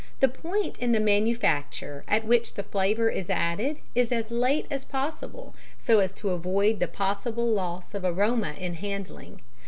The point in the manufacture at which the flavour is added is as late as possible so as to avoid the possible loss of aroma in handling.